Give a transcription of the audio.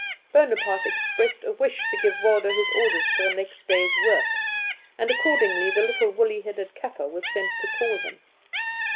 Bonaparte expressed a wish to give Waldo his orders for the next day's work, and accordingly the little woolly headed Kaffer was sent to call him.